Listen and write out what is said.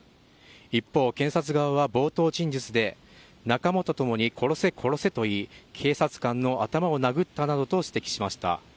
一方、検察側は冒頭陳述で、仲間とともに殺せ、殺せと言い、警察官の頭を殴ったなどと指摘しました。